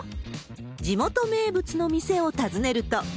地元名物の店を訪ねると。